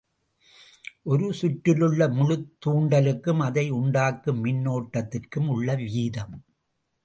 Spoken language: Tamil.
ஒரு சுற்றிலுள்ள முழுத் தூண்டலுக்கும் அதை உண்டாக்கும் மின்னோட்டத்திற்கும் உள்ள வீதம்.